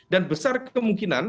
dan besar kemungkinan